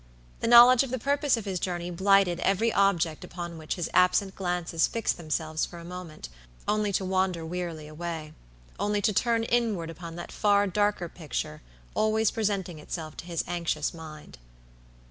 The knowledge of the purpose of his journey blighted every object upon which his absent glances fixed themselves for a moment, only to wander wearily away; only to turn inward upon that far darker picture always presenting itself to his anxious mind.